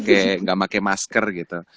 enggak pakai masker gitu